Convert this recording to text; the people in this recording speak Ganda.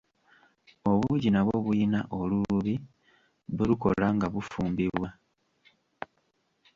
Obuugi nabwo buyina olububi bwe lukola nga bufumbibwa.